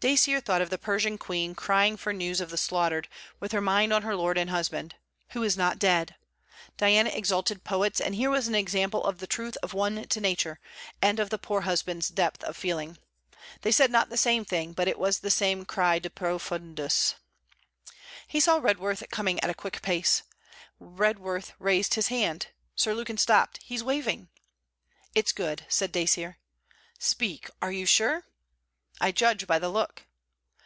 Dacier thought of the Persian Queen crying for news of the slaughtered, with her mind on her lord and husband: 'Who is not dead?' Diana exalted poets, and here was an example of the truth of one to nature, and of the poor husband's depth of feeling. They said not the same thing, but it was the same cry de profundis. He saw Redworth coming at a quick pace. Redworth raised his hand. Sir Lukin stopped. 'He's waving!' 'It's good,' said Dacier. 'Speak! are you sure?' 'I judge by the look.'